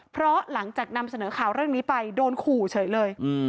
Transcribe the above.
เพราะหลังจากนำเสนอข่าวเรื่องนี้ไปโดนขู่เฉยเลย